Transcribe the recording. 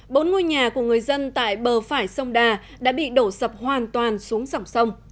bốn ngôi nhà của người dân tại bờ phải sông đà đã bị đổ sập hoàn toàn xuống dòng sông